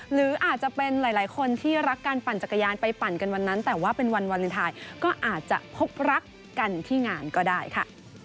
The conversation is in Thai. หรืออาจจะเป็นหลายคนที่รักการปั่นจักรยานไปปั่นกันวันนั้นแต่ว่าเป็นวันวาเลนไทยก็อาจจะพบรักกันที่งานก็ได้ค่ะ